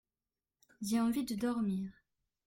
J’ai envie de dormir.